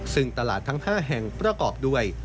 ซึ่งตลาดทั้ง๕แห่งประกอบด้วย